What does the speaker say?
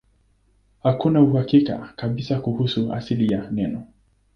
Hakuna uhakika kabisa kuhusu asili ya neno.